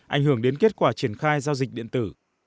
ảnh hưởng đến kết quả triển khai giao dịch điện tử